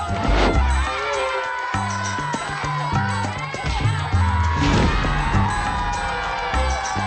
tuk tuk tuk tuk